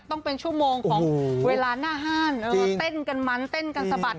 ต้องเป็นชั่วโมงของเวลาหน้าห้านเต้นกันมันเต้นกันสะบัด